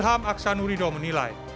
ilham aksanurido menilai